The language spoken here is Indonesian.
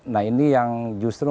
nah ini yang justru